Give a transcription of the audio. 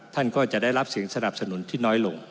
ท่านก็จะได้รับเสียงสนับสนุนที่น้อยลง